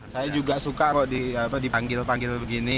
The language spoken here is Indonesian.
saya juga suka kok dipanggil panggil begini